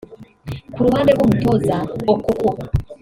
Ku ruhande rw’umutoza Okoko